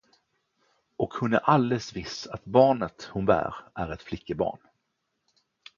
Och hon är alldeles viss, att barnet, hon bär, är ett flickebarn.